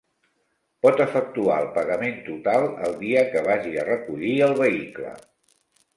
Pot efectuar el pagament total el dia que vagi a recollir el vehicle.